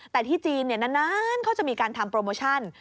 แต่ที่จีนนานเขาจะมีการทำโปรโมชั่น